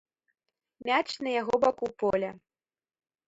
Мяч на яго баку поля.